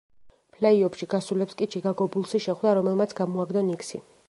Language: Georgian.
ფლეი-ოფში გასულებს კი ჩიკაგო ბულზი დახვდა, რომელმაც გამოაგდო ნიქსი.